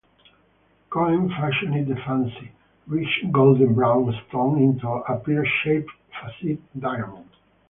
Cohen fashioned the fancy, rich golden-brown stone into a pear-shaped, faceted diamond.